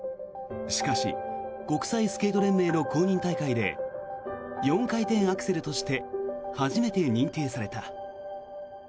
しかし、国際スケート連盟の公認大会で４回転アクセルとして初めて認定された。